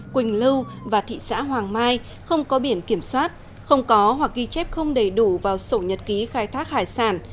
quỳnh lưu và thị xã hoàng mai không có biển kiểm soát không có hoặc ghi chép không đầy đủ vào sổ nhật ký khai thác hải sản